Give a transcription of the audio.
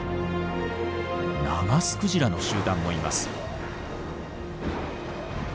ナガスクジラの集団もいます。